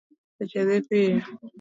Seche dhi piyo